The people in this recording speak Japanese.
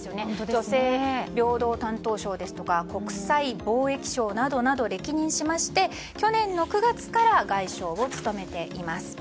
女性・平等担当相や国際貿易相などを歴任しまして、去年９月から外相を務めています。